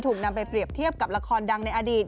ถูกนำไปเปรียบเทียบกับละครดังในอดีต